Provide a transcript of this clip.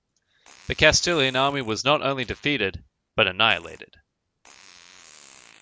The Castilian army was not only defeated, but annihilated.